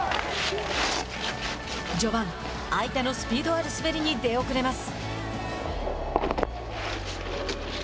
序盤、相手のスピードある滑りに出遅れます。